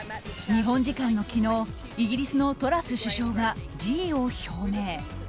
日本時間の昨日、イギリスのトラス首相が辞意を表明。